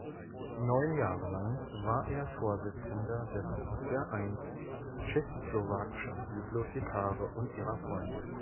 Neun Jahre lang war er Vorsitzender des "Vereins tschechoslowakischer Bibliothekare und ihrer Freunde".